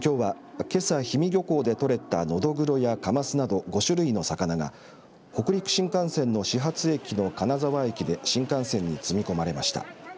きょうはけさ氷見漁港で取れたノドグロやカマスなど５種類の魚が北陸新幹線の始発駅の金沢駅で新幹線に積みこまれました。